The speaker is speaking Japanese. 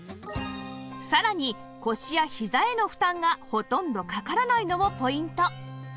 さらに腰やひざへの負担がほとんどかからないのもポイント